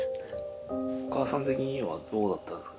お母さん的にはどうだったんですか？